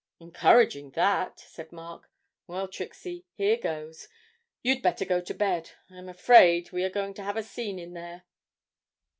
'Encouraging that,' said Mark. 'Well, Trixie, here goes. You'd better go to bed. I'm afraid we are going to have a scene in there.'